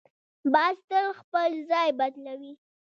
باز تل خپل ځای بدلوي